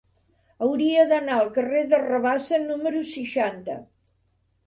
Hauria d'anar al carrer de Rabassa número seixanta.